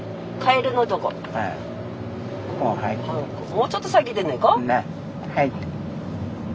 もうちょっと先でねえか？